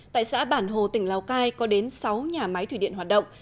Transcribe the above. tại xã bản hồ tỉnh lào cai có đến sáu nhà máy thủy điện hoạt động